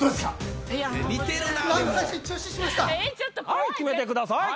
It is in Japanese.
はい決めてください。